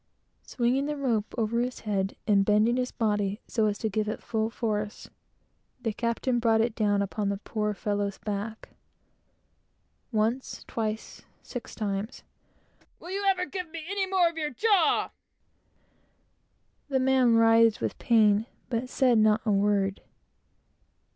Swinging the rope over his head, and bending his body so as to give it full force, the captain brought it down upon the poor fellow's back. Once, twice six times. "Will you ever give me any more of your jaw?" The man writhed with pain, but said not a word.